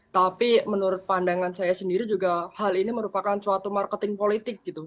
tapi menurut pandangan saya sendiri juga hal ini merupakan suatu marketing politik gitu